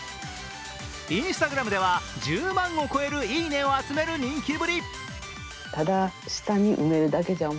Ｉｎｓｔａｇｒａｍでは１０万を超えるいいねを集める人気ぶり。